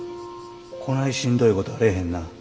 こないしんどいことあれへんな。